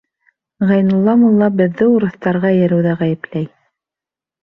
Ғәйнулла мулла беҙҙе урыҫтарға эйәреүҙә ғәйепләй.